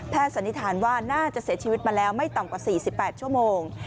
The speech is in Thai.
สันนิษฐานว่าน่าจะเสียชีวิตมาแล้วไม่ต่ำกว่า๔๘ชั่วโมง